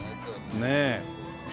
ねえ。